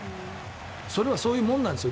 それはそういうものなんです。